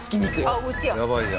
あっうちや。